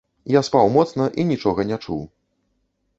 Я спаў моцна і нічога не чуў.